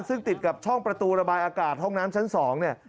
ซึ่งติดกับช่องประตูระบายอากาศห้องน้ำชั้น๒เนี่ย